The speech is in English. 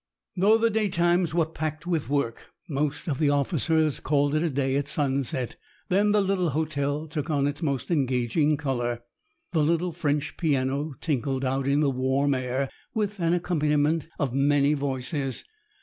Though the daytimes were packed with work, most of the officers called it a day at sunset. Then the little hotel took on its most engaging color. The little French piano tinkled out in the warm air with an accompaniment of many voices.